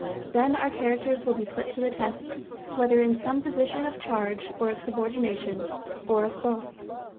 Then our characters will be put to the test, whether in some position of charge or of subordination, or of both.